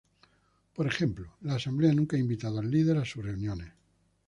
Por ejemplo, la asamblea nunca ha invitado al Líder a sus reuniones.